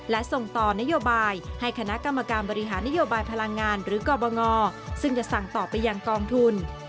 และส่งต่อนโยบายให้คณะกรรมการบริหารนโยบายพลังงานหรือกรบงซึ่งจะสั่งต่อไปยังกองทุน